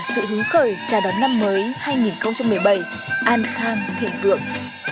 sự hứng khởi chào đón năm mới hai nghìn một mươi bảy an khang thịnh vượng